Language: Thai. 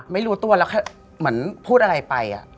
ไม่รู้ตัวแล้วเหมือนพูดอะไรไป